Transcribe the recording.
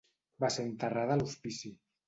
Va ser enterrada a l'hospici.